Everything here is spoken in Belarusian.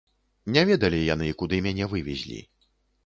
Не ведалі яны, куды мяне вывезлі.